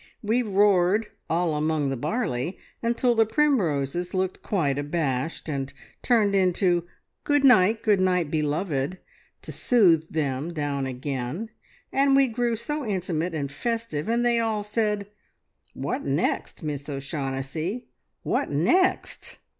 We roared `All among the barley,' until the primroses looked quite abashed, and turned into `Good night, good night beloved,' to soothe them down again, and we grew so intimate and festive, and they all said, `What next, Miss O'Shaughnessy, what next?'